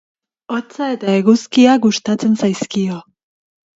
Hotza eta eguzkia gustatzen zaizkio.